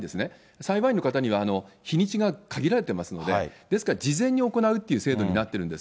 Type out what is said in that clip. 裁判員の方には日にちが限られてますので、ですから、事前に行うという制度になっているんです。